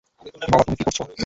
বাবা, তুমি কি করছো?